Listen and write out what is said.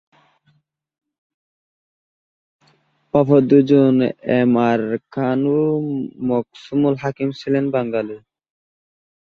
অপর দুজন M R Khan ও মুকসুমুল হাকিম ছিলেন বাঙালি।